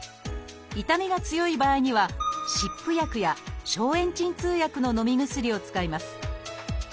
痛みが強い場合には湿布薬や消炎鎮痛薬の飲み薬を使います。